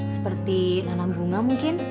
seperti nanam bunga mungkin